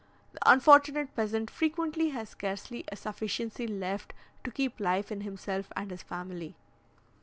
The unfortunate peasant frequently has scarcely a sufficiency left to keep life in himself and his family.